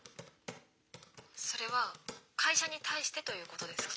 「それは会社に対してということですか？」。